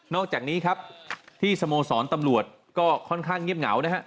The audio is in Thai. อกจากนี้ครับที่สโมสรตำรวจก็ค่อนข้างเงียบเหงานะฮะ